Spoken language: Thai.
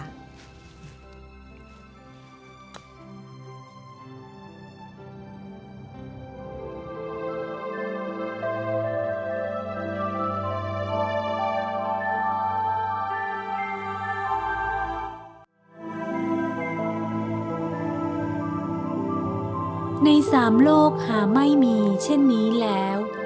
ใน๓โลกหาไม่มีเช่นนี้แล้ว